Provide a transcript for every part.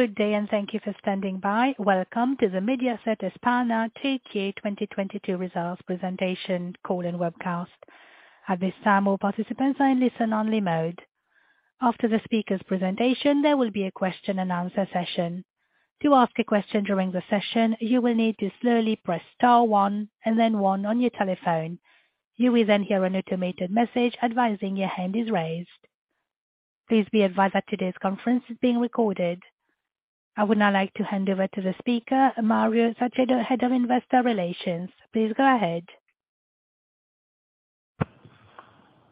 Good day and thank you for standing by. Welcome to the Mediaset España H1 2022 results presentation call and webcast. At this time, all participants are in listen-only mode. After the speaker's presentation, there will be a question and answer session. To ask a question during the session, you will need to slowly press star one and then one on your telephone. You will then hear an automated message advising your hand is raised. Please be advised that today's conference is being recorded. I would now like to hand over to the speaker, Mario Sacedo, Head of Investor Relations. Please go ahead.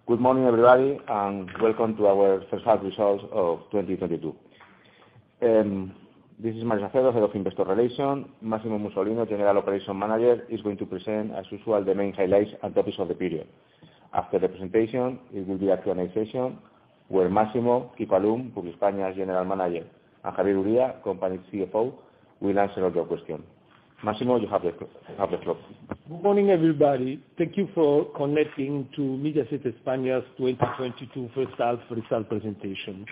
Good morning, everybody, and welcome to our first half results of 2022. This is Mario Sacedo, Head of Investor Relations. Massimo Musolino, General Operations Manager, is going to present, as usual, the main highlights and topics of the period. After the presentation, it will be a Q&A session where Massimo, Francisco Alimonti, Publiespaña General Manager, and Javier Uría, Company CFO, will answer all your questions. Massimo, you have the floor. Good morning, everybody. Thank you for connecting to Mediaset España's 2022 first half result presentation.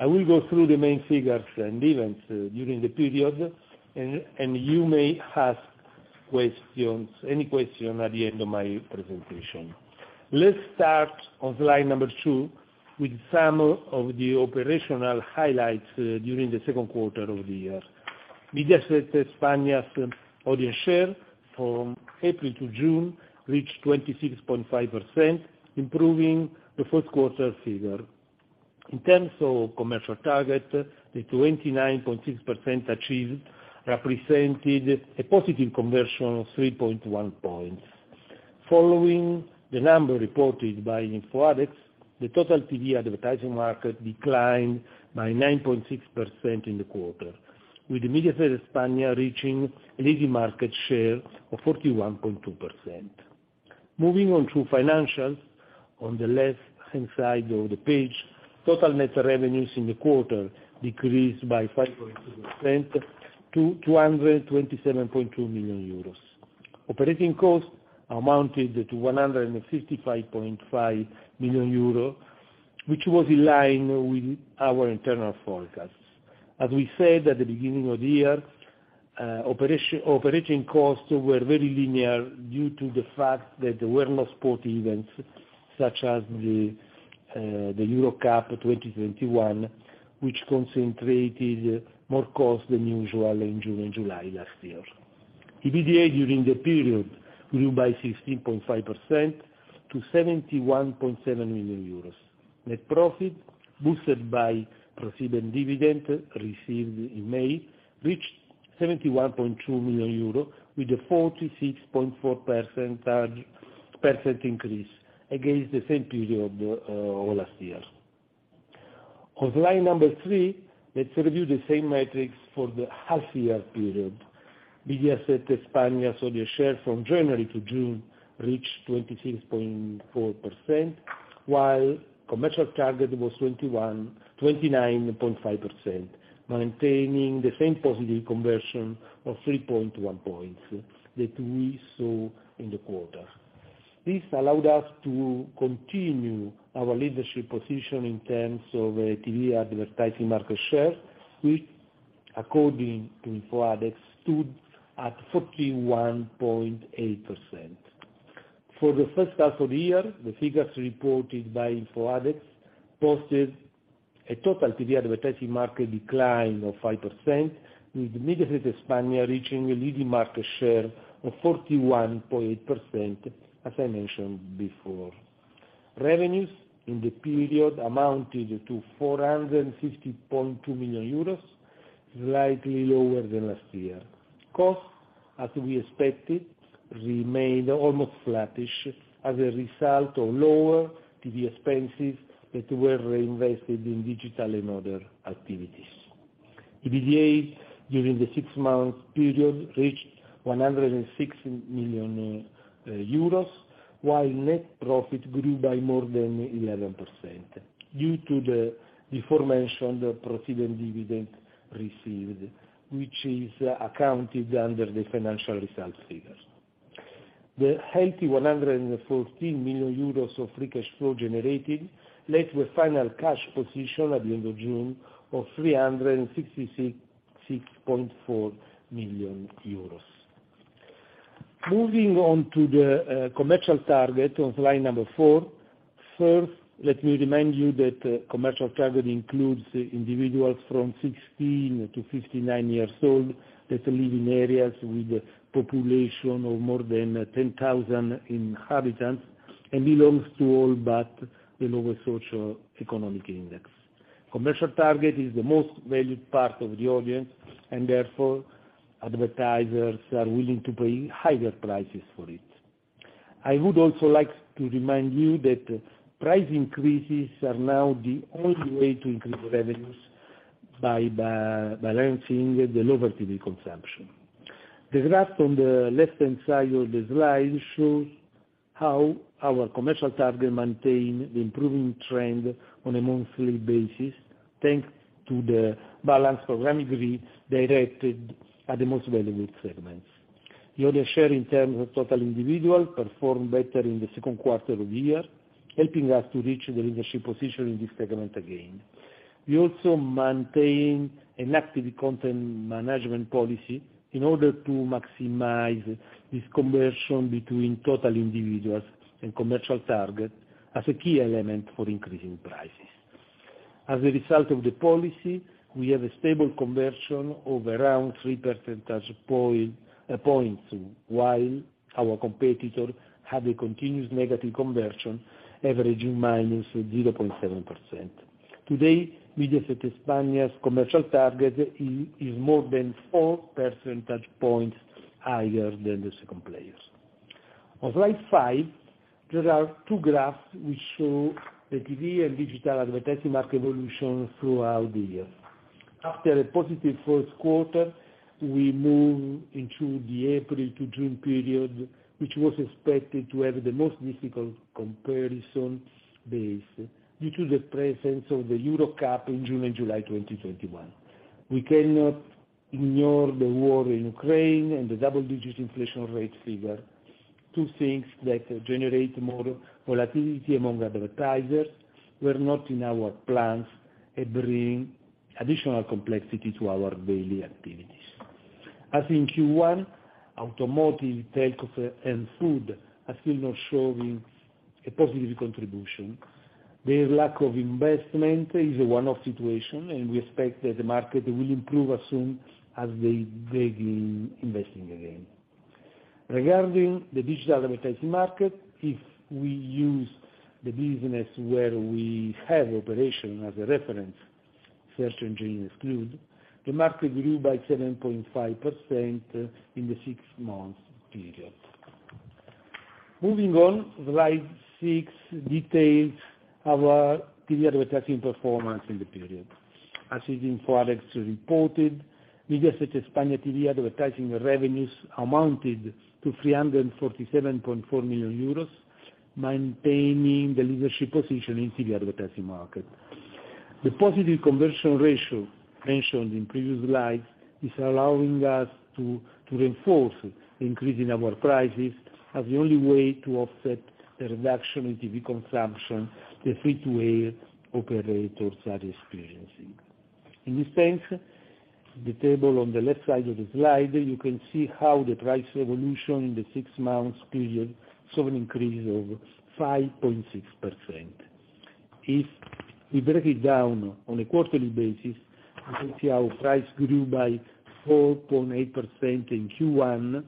I will go through the main figures and events during the period and you may ask questions, any question at the end of my presentation. Let's start on slide number two with some of the operational highlights during the Q2 of the year. Mediaset España's audience share from April to June reached 26.5%, improving the Q1 figure. In terms of commercial target, the 29.6% achieved represented a positive conversion of 3.1 points. Following the number reported by InfoAdex, the total TV advertising market declined by 9.6% in the quarter, with Mediaset España reaching leading market share of 41.2%. Moving on to financials, on the left-hand side of the page, total net revenues in the quarter decreased by 5.2% to 227.2 million euros. Operating costs amounted to 155.5 million euros, which was in line with our internal forecasts. As we said at the beginning of the year, operating costs were very linear due to the fact that there were no sport events such as the Euro 2020, which concentrated more costs than usual in June and July last year. EBITDA during the period grew by 16.5% to 71.7 million euros. Net profit, boosted by ProSiebenSat.1 dividend received in May, reached 71.2 million euro with a 46.4% increase against the same period of last year. On slide number three, let's review the same metrics for the half year period. Mediaset España saw their share from January to June reach 26.4%, while commercial target was twenty-nine point five percent, maintaining the same positive conversion of 3.1 points that we saw in the quarter. This allowed us to continue our leadership position in terms of TV advertising market share, which according to InfoAdex, stood at 41.8%. For the first half of the year, the figures reported by InfoAdex posted a total TV advertising market decline of 5%, with Mediaset España reaching a leading market share of 41.8%, as I mentioned before. Revenues in the period amounted to 450.2 million euros, slightly lower than last year. Costs, as we expected, remained almost flattish as a result of lower TV expenses that were reinvested in digital and other activities. EBITDA during the six-month period reached 106 million euros, while net profit grew by more than 11% due to the aforementioned ProSiebenSat.1 dividend received, which is accounted under the financial result figures. The healthy 114 million euros of free cash flow generated led to a final cash position at the end of June of 366.64 million euros. Moving on to the commercial target on slide number four. First, let me remind you that commercial target includes individuals from 16 to 59 years old that live in areas with a population of more than 10,000 inhabitants and belongs to all but the lower socioeconomic index. Commercial target is the most valued part of the audience, and therefore advertisers are willing to pay higher prices for it. I would also like to remind you that price increases are now the only way to increase revenues by balancing the lower TV consumption. The graph on the left-hand side of the slide shows how our commercial target maintained the improving trend on a monthly basis, thanks to the balanced programming grid directed at the most valuable segments. The other share in terms of total individual performed better in the Q2 of the year, helping us to reach the leadership position in this segment again. We also maintain an active content management policy in order to maximize this conversion between total individuals and commercial target as a key element for increasing prices. As a result of the policy, we have a stable conversion of around 3 percentage points, while our competitor have a continuous negative conversion, averaging -0.7%. Today, Mediaset España's commercial target is more than four percentage points higher than the second players. On slide 5, there are two graphs which show the TV and digital advertising market evolution throughout the years. After a positive Q1, we move into the April to June period, which was expected to have the most difficult comparison base due to the presence of the Euro Cup in June and July 2021. We cannot ignore the war in Ukraine and the double-digit inflation rate figure, two things that generate more volatility among advertisers were not in our plans and bring additional complexity to our daily activities. As in Q1, automotive, telco, finance and food are still not showing a positive contribution. Their lack of investment is a one-off situation, and we expect that the market will improve as soon as they begin investing again. Regarding the digital advertising market, if we use the business where we have operation as a reference, search engines excluded, the market grew by 7.5% in the six-month period. Moving on, slide 6 details our TV advertising performance in the period. As InfoAdex reported, Mediaset España TV advertising revenues amounted to 347.4 million euros, maintaining the leadership position in TV advertising market. The positive conversion ratio mentioned in previous slides is allowing us to reinforce increasing our prices as the only way to offset the reduction in TV consumption the free-to-air operators are experiencing. In this sense, the table on the left side of the slide, you can see how the price evolution in the six months period saw an increase of 5.6%. If we break it down on a quarterly basis, you can see our price grew by 4.8% in Q1,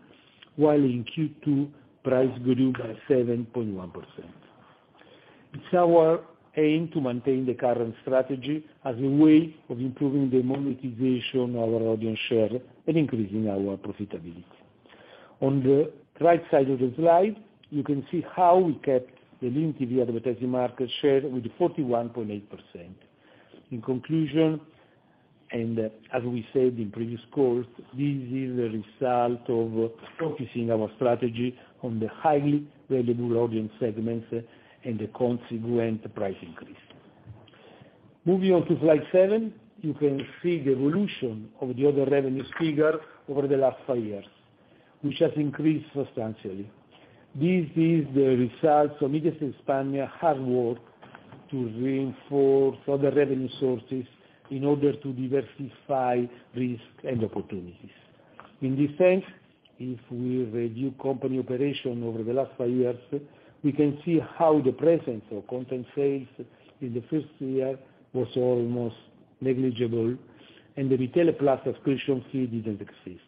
while in Q2, price grew by 7.1%. It's our aim to maintain the current strategy as a way of improving the monetization of our audience share and increasing our profitability. On the right side of the slide, you can see how we kept the linear TV advertising market share with 41.8%. In conclusion, and as we said in previous calls, this is a result of focusing our strategy on the highly valuable audience segments and the consequent price increase. Moving on to slide seven, you can see the evolution of the other revenues figure over the last five years, which has increased substantially. This is the result of Mediaset España's hard work to reinforce other revenue sources in order to diversify risk and opportunities. In this sense, if we review company operation over the last five years, we can see how the presence of content sales in the first year was almost negligible, and the Mitele Plus subscription fee didn't exist.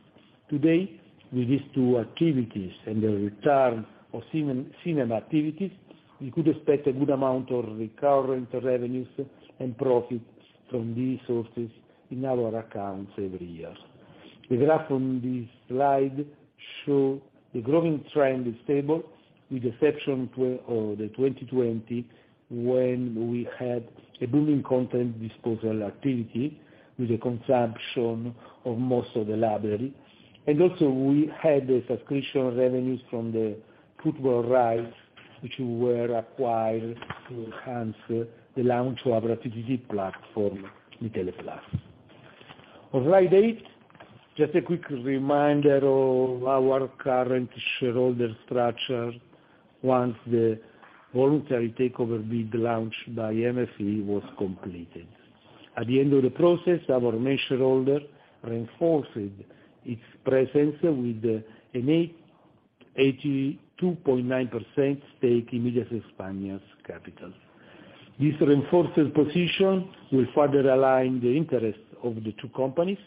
Today, with these two activities and the return of cine-cinema activities, we could expect a good amount of recurrent revenues and profits from these sources in our accounts every year. The graph on this slide shows the growing trend is stable, with the exception of 2020 when we had a booming content disposal activity with the consumption of most of the library. We had the subscription revenues from the football rights, which were acquired to enhance the launch of our OTT platform, Mitele Plus. On slide 8, just a quick reminder of our current shareholder structure once the voluntary takeover bid launched by MFE was completed. At the end of the process, our main shareholder reinforced its presence with an 82.9% stake in Mediaset España's capital. This reinforced position will further align the interests of the two companies,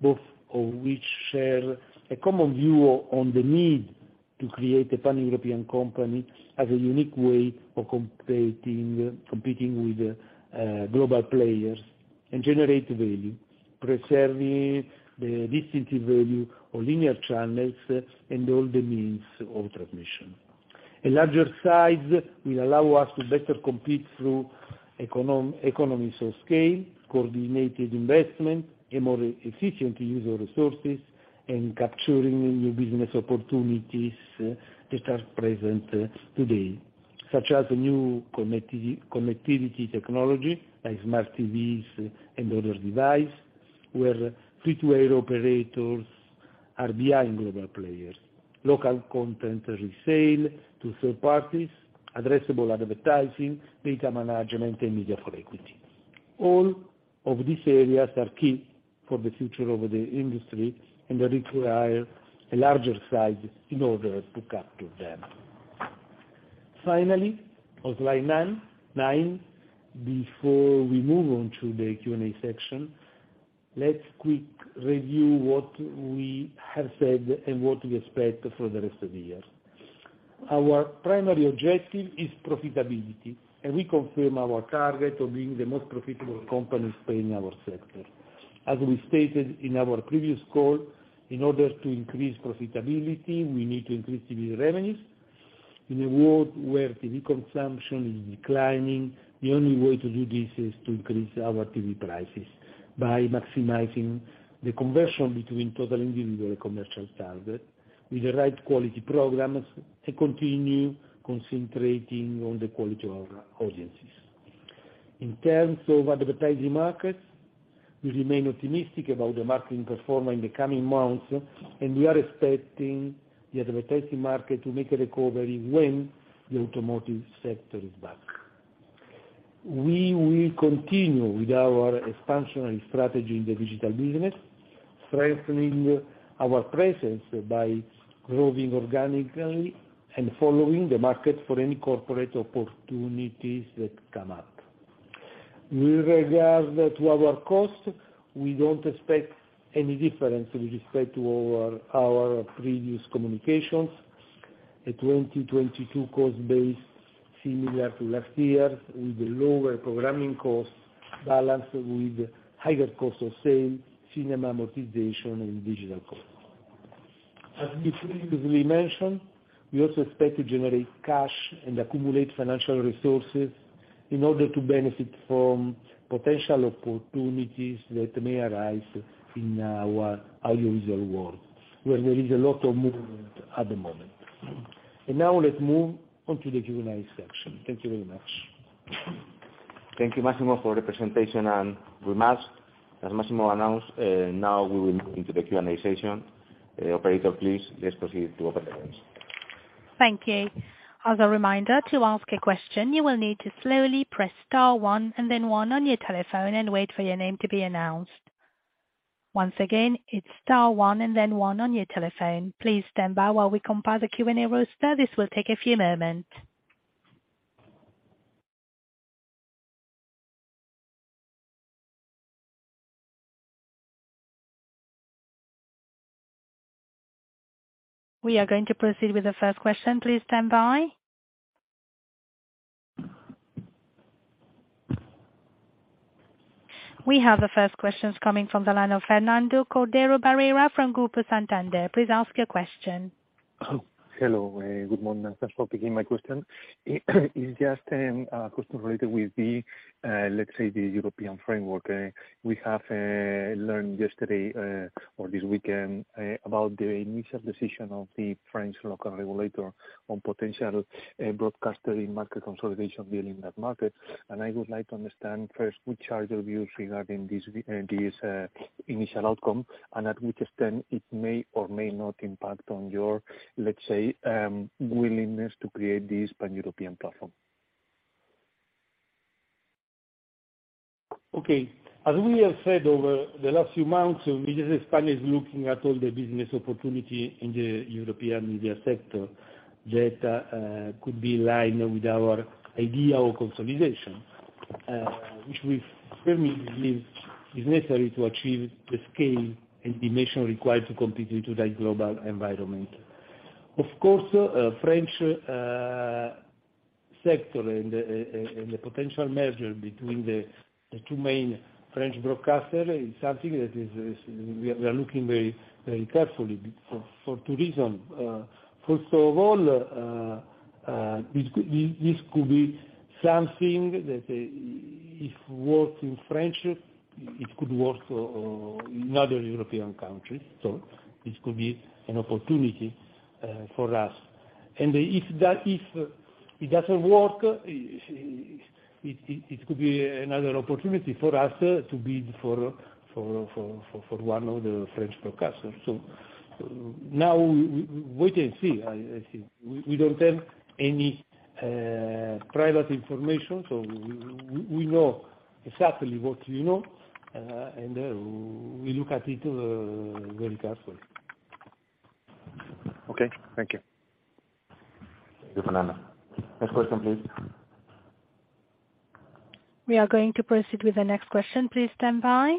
both of which share a common view on the need to create a pan-European company as a unique way of competing with global players and generate value, preserving the distinctive value of linear channels and all the means of transmission. A larger size will allow us to better compete through economies of scale, coordinated investment, a more efficient use of resources, and capturing new business opportunities that are present today. Such as the new connectivity technology, like smart TVs and other devices, where free-to-air operators are behind global players. Local content resale to third parties, addressable advertising, data management, and media for equity. All of these areas are key for the future of the industry, and they require a larger size in order to capture them. Finally, on slide nine, before we move on to the Q&A section, let's quickly review what we have said and what we expect for the rest of the year. Our primary objective is profitability, and we confirm our target of being the most profitable company in Spain in our sector. As we stated in our previous call, in order to increase profitability, we need to increase TV revenues. In a world where TV consumption is declining, the only way to do this is to increase our TV prices by maximizing the conversion between total individual and commercial target with the right quality programs, and continue concentrating on the quality of our audiences. In terms of advertising markets, we remain optimistic about the market performance in the coming months, and we are expecting the advertising market to make a recovery when the automotive sector is back. We will continue with our expansionary strategy in the digital business, strengthening our presence by growing organically and following the market for any corporate opportunities that come up. With regard to our costs, we don't expect any difference with respect to our previous communications. The 2022 cost base similar to last year, with lower programming costs balanced with higher cost of sale, cinema amortization and digital costs. As we previously mentioned, we also expect to generate cash and accumulate financial resources in order to benefit from potential opportunities that may arise in our audiovisual world, where there is a lot of movement at the moment. Now let's move on to the Q&A section. Thank you very much. Thank you, Massimo, for the presentation and remarks. As Massimo announced, now we will move into the Q&A session. Operator please, let's proceed to open the lines. Thank you. As a reminder, to ask a question, you will need to slowly press star one and then one on your telephone and wait for your name to be announced. Once again, it's star one and then one on your telephone. Please stand by while we compile the Q&A roster. This will take a few moments. We are going to proceed with the first question. Please stand by. We have the first question coming from the line of Fernando Cordero Barrera from Grupo Santander. Please ask your question. Hello. Good morning. Thanks for taking my question. It's just, a question related with the, let's say, the European framework. We have learned yesterday, or this weekend, about the initial decision of the French local regulator on potential, broadcaster in-market consolidation deal in that market. I would like to understand first, what are your views regarding this initial outcome? At which extent it may or may not impact on your, let's say, willingness to create the Spanish European platform? Okay. As we have said over the last few months, Mediaset España is looking at all the business opportunity in the European media sector that could be in line with our idea of consolidation, which we firmly believe is necessary to achieve the scale and dimension required to compete with today's global environment. Of course, a French sector and the potential merger between the two main French broadcasters is something that we are looking very carefully at for two reasons. First of all, this could be something that if it works in France, it could work in other European countries. This could be an opportunity for us. If it doesn't work, it could be another opportunity for us to bid for one of the French broadcasters. Now we wait and see. I think. We don't have any private information, so we know exactly what you know, and we look at it very carefully. Okay. Thank you. Thank you, Fernando. Next question, please. We are going to proceed with the next question. Please stand by.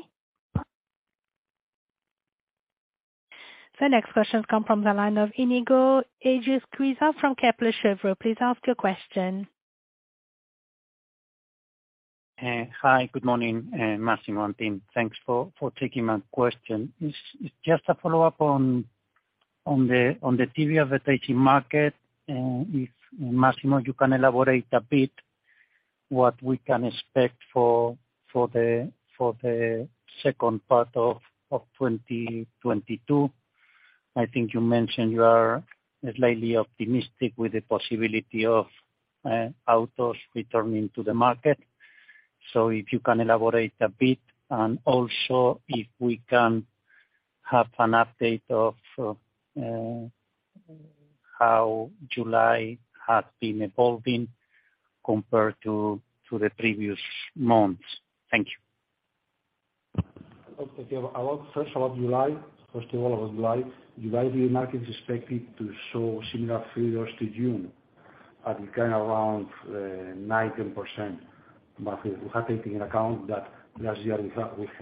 The next question come from the line of Iñigo Egusquiza from Kepler Cheuvreux. Please ask your question. Hi. Good morning, Massimo and team. Thanks for taking my question. It's just a follow-up on the TV advertising market. If, Massimo, you can elaborate a bit What we can expect for the second part of 2022. I think you mentioned you are slightly optimistic with the possibility of autos returning to the market. If you can elaborate a bit, and also if we can have an update of how July has been evolving compared to the previous months. Thank you. First of all, about July. July, the market is expected to show similar figures to June, at again, around 9-10%. But we are taking into account that last year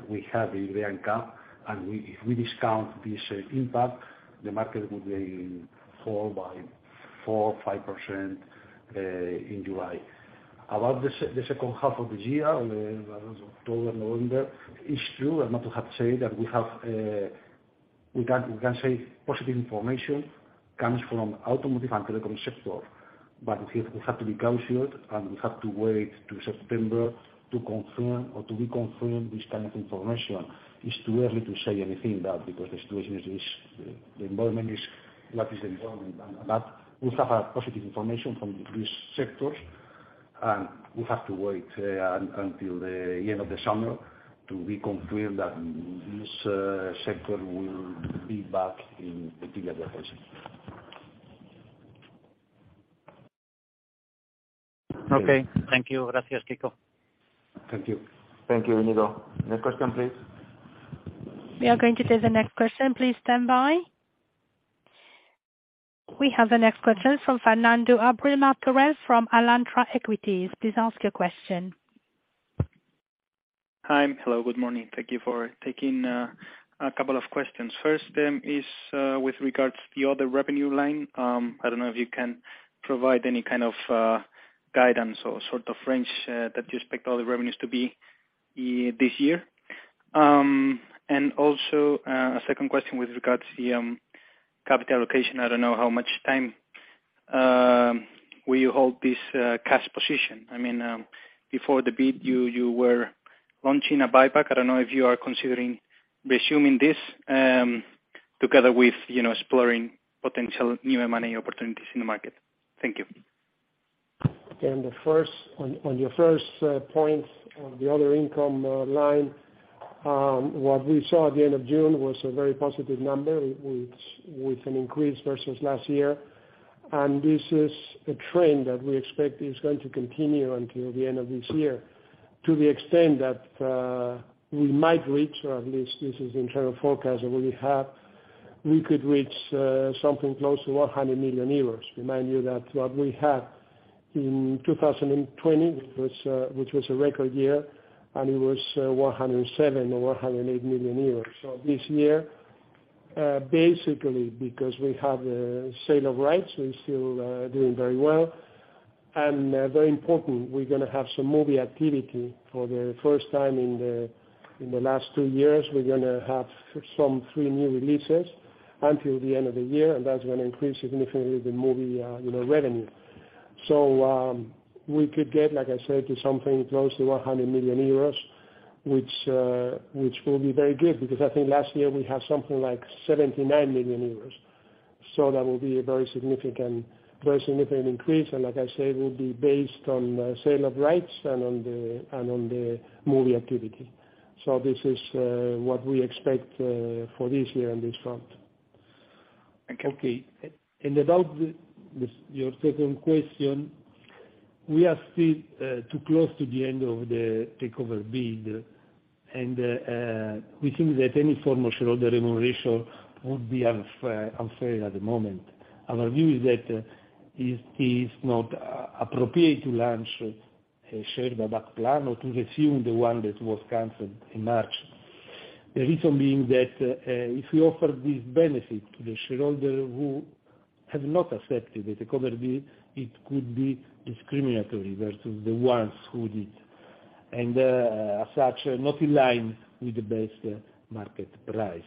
we had the Euro Cup, and if we discount this impact, the market would fall by 4-5% in July. About the second half of the year, around October, November, it's true, and Marco have said that we have. We can say positive information comes from automotive and telecom sector. But we have to be cautious, and we have to wait to September to confirm or to reconfirm this kind of information. It's too early to say anything about because the situation is. The environment is what is the environment. We have positive information from these sectors, and we have to wait until the end of the summer to reconfirm that this sector will be back in the previous position. Okay. Thank you. Gracias, Quico. Thank you. Thank you, Iñigo. Next question, please. We are going to take the next question. Please stand by. We have the next question from Fernando Abril-Martorell from Alantra Equities. Please ask your question. Hi. Hello. Good morning. Thank you for taking a couple of questions. First, with regards to the other revenue line. I don't know if you can provide any kind of guidance or sort of range that you expect all the revenues to be this year. Also, a second question with regards to capital allocation. I don't know how much time you will hold this cash position. I mean, before the bid, you were launching a buyback. I don't know if you are considering resuming this together with, you know, exploring potential new M&A opportunities in the market. Thank you. On your first point on the other income line, what we saw at the end of June was a very positive number with an increase versus last year. This is a trend that we expect is going to continue until the end of this year to the extent that we might reach, or at least this is the internal forecast that we have, we could reach something close to 100 million euros. Remind you that what we had in 2020, which was a record year, and it was one hundred and seven or one hundred and eight million euros. This year, basically because we have the sale of rights, we're still doing very well, and very important, we're gonna have some movie activity for the first time in the last two years. We're gonna have some three new releases until the end of the year, and that's gonna increase significantly the movie, you know, revenue. We could get, like I said, to something close to 100 million euros, which will be very good because I think last year we had something like 79 million euros. That will be a very significant increase. Like I said, it will be based on the sale of rights and on the movie activity. This is what we expect for this year on this front. Okay. Okay. About this, your second question, we are still too close to the end of the takeover bid. We think that any form of shareholder remuneration would be unfair at the moment. Our view is that it is not appropriate to launch a share buyback plan or to resume the one that was canceled in March. The reason being that if we offer this benefit to the shareholder who has not accepted the takeover bid, it could be discriminatory versus the ones who did, and as such, not in line with the best market price.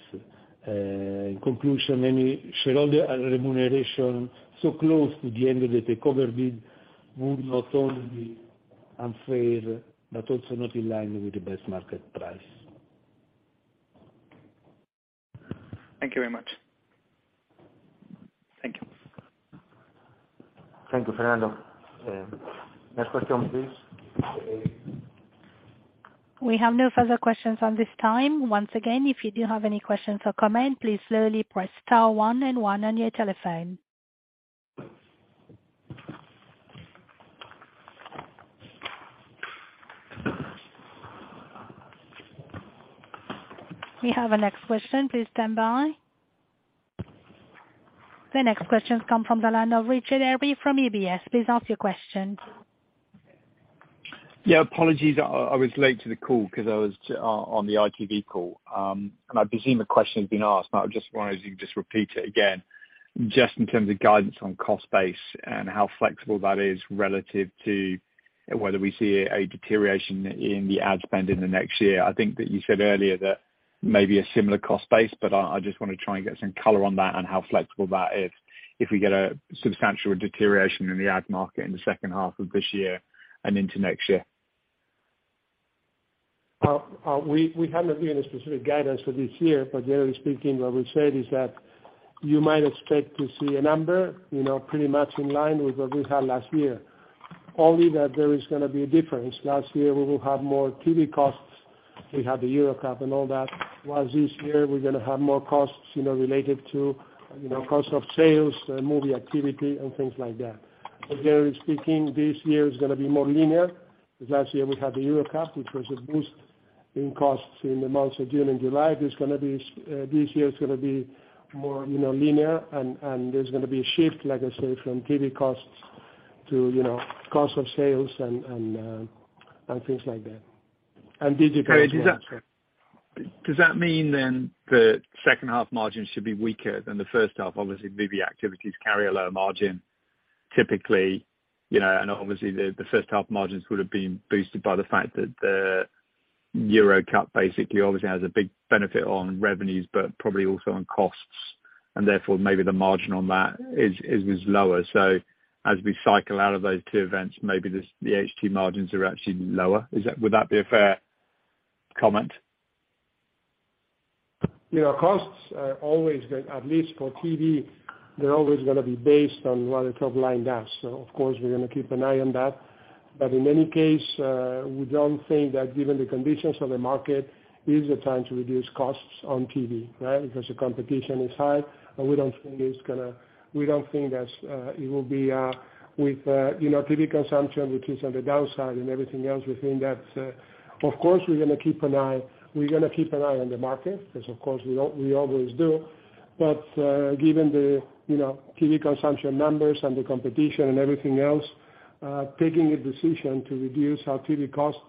In conclusion, any shareholder remuneration so close to the end of the takeover bid would not only be unfair but also not in line with the best market price. Thank you very much. Thank you. Thank you, Fernando. Next question, please. We have no further questions at this time. Once again, if you do have any questions or comments, please press star one on your telephone. We have the next question. Please stand by. The next question comes from the line of Richard Eary from UBS. Please ask your question. Yeah. Apologies. I was late to the call 'cause I was too on the ITV call. I presume the question's been asked, but I just wondered if you could just repeat it again, just in terms of guidance on cost base and how flexible that is relative to whether we see a deterioration in the ad spend in the next year. I think that you said earlier that Maybe a similar cost base, but I just wanna try and get some color on that and how flexible that is if we get a substantial deterioration in the ad market in the second half of this year and into next year. We haven't given a specific guidance for this year, but generally speaking, what we've said is that you might expect to see a number, you know, pretty much in line with what we had last year. Only that there is gonna be a difference. Last year, we will have more TV costs. We had the Euro Cup and all that. While this year we're gonna have more costs, you know, related to, you know, cost of sales, movie activity and things like that. But generally speaking, this year is gonna be more linear, because last year we had the Euro Cup, which was a boost in costs in the months of June and July. This year it's gonna be more, you know, linear and there's gonna be a shift, like I said, from TV costs to, you know, cost of sales and things like that. Digital as well. Does that mean then the second half margins should be weaker than the first half? Obviously, VV activities carry a lower margin typically, you know, and obviously the first half margins would have been boosted by the fact that the Euro Cup basically obviously has a big benefit on revenues, but probably also on costs, and therefore maybe the margin on that is lower. As we cycle out of those two events, maybe the H2 margins are actually lower. Would that be a fair comment? You know, costs are always going, at least for TV, they're always gonna be based on what the top line does. Of course we're gonna keep an eye on that. In any case, we don't think that given the conditions of the market, is the time to reduce costs on TV, right? Because the competition is high and we don't think that's it will be with you know, TV consumption, which is on the downside and everything else, we think that of course, we're gonna keep an eye, we're gonna keep an eye on the market, as of course we always do. Given the you know TV consumption numbers and the competition and everything else, taking a decision to reduce our TV costs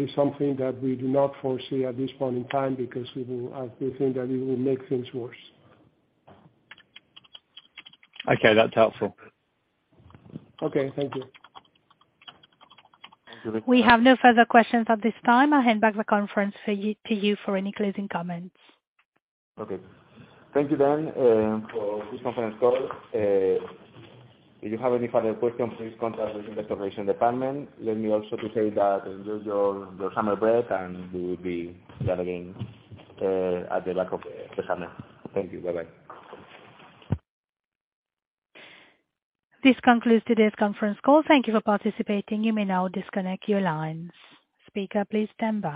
is something that we do not foresee at this point in time because we will we think that it will make things worse. Okay, that's helpful. Okay, thank you. We have no further questions at this time. I'll hand back the conference to you for any closing comments. Okay. Thank you then for this conference call. If you have any further questions, please contact the Investor Relations department. Let me also to say that enjoy your summer break, and we will be gathering at the back of the summer. Thank you. Bye-bye. This concludes today's conference call. Thank you for participating. You may now disconnect your lines. Speaker, please stand by.